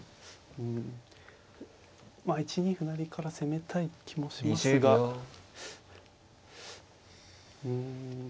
うんまあ１二歩成から攻めたい気もしますがうん。